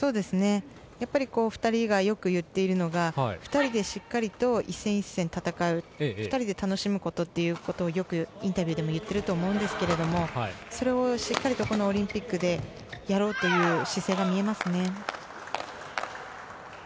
やっぱり２人がよく言っているのが２人でしっかりと１戦１戦戦う２人で楽しむということをよく、インタビューでも言っていると思うんですけれどもそれをしっかりとこのオリンピックでやろうという姿勢が見えますね。